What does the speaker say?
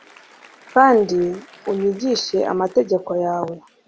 kandi unyigishe amategeko yawe